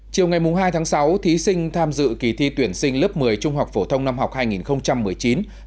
chiều ngày hai tháng sáu thí sinh tham dự kỳ thi tuyển sinh lớp một mươi trung học phổ thông năm học hai nghìn một mươi chín hai nghìn hai mươi